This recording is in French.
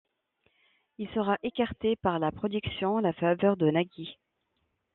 Il sera écarté par la production à la faveur de Nagui.